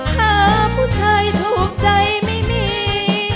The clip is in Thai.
หาผู้ชายถูกใจไม่มี